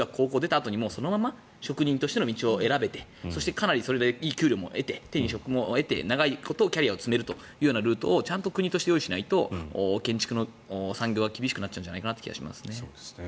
あとそのまま職人としての道を選べてそれでかなりいい給料を得て手に職も得て、長いことキャリアを積めるというルートをちゃんと国として用意しないと建築の産業は難しくなっちゃうんじゃないかと思いますね。